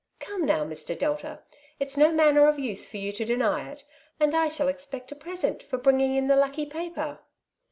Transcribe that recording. '' Come, now, Mr. Delta, it's no manner of use for you to deny it, and I shall expect a present for bringing in the lucky paper